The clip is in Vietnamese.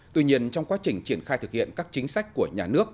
tuy nhiên trong quá trình triển khai thực hiện các chính sách của nhà nước